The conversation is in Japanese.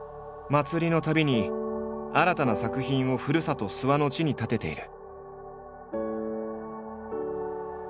祭りのたびに新たな作品をふるさと諏訪の地に建てている。